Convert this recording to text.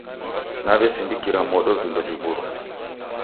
Nawesindikira modo vindo viw'uro.